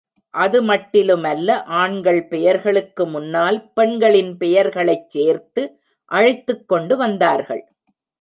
அது மட்டிலுமல்ல, ஆண்கள் பெயர்களுக்கு முன்னால் பெண்களின் பெயர்களைச் சேர்த்து அழைத்துக்கொண்டு வந்தார்கள்.